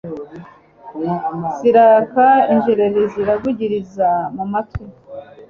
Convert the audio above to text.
ziraka injereri ziravugiriza mumatwi